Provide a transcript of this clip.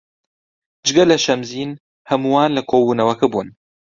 جگە لە شەمزین هەمووان لە کۆبوونەوەکە بوون.